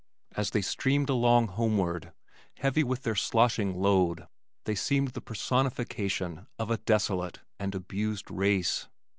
As they streamed along homeward, heavy with their sloshing load, they seemed the personification of a desolate and abused race.